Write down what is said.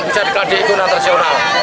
bisa dikandalkan di ikunan tersejonal